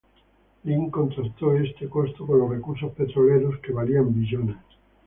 Lin contrastó este costo con los recursos petroleros "que valían billones".